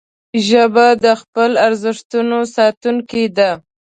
ژبه د خپلو ارزښتونو ساتونکې ده